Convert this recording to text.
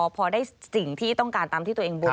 พอได้สิ่งที่ต้องการตามที่ตัวเองบวก